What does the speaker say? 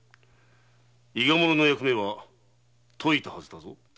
伊賀者の役目は解いたはずだぞ。